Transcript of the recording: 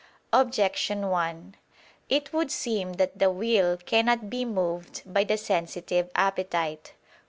Objection 1: It would seem that the will cannot be moved by the sensitive appetite.